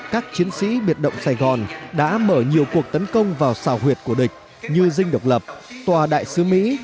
các chiến sĩ biệt động sài gòn đã mở nhiều cuộc tấn công vào xào huyệt của địch như dinh độc lập tòa đại sứ mỹ